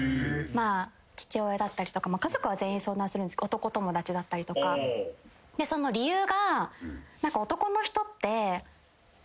父親だったりとか家族は全員相談するんですけど男友達だったりとかその理由が。